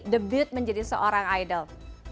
debut menjadi seorang idol